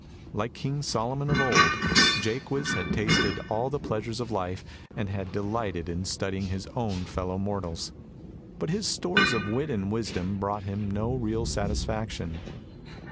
Like King Solomon of old, Jaques had tasted all the pleasures of life, and had delighted in studying his fellow mortals; but his stores of wit and wisdom brought him no real satisfaction.